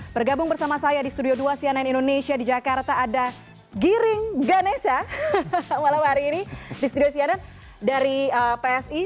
bergabung bersama saya di studio dua cnn indonesia di jakarta ada giring ganesha malam hari ini di studio cnn dari psi